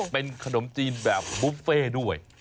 เป็นขนมจีนแบบบุฟเฟ่ด้วย